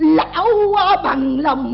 lão bằng lòng